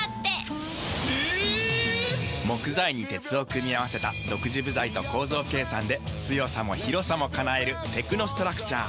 木材に鉄を組み合わせた独自部材と構造計算で強さも広さも叶えるテクノストラクチャー。